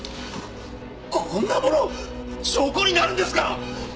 こんなもの証拠になるんですか！